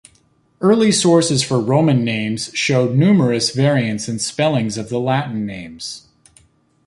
Early sources for Roman names show numerous variants and spellings of the Latin names.